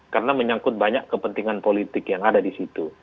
karena menyangkut banyak kepentingan politik yang ada di situ